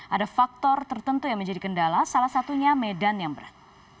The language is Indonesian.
ada faktor tertentu yang menjadi kendala salah satunya medan yang berat